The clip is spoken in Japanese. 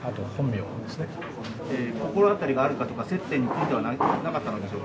心当たりがあるかとか、接点についてはなかったのでしょうか？